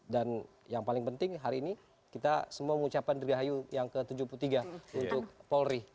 dan yang paling penting hari ini kita semua mengucapkan tergahayu yang ke tujuh puluh tiga untuk polri